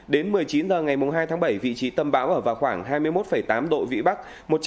đến một mươi chín h ngày hai tháng bảy vị trí tâm bão ở vào khoảng hai mươi một tám độ vĩ bắc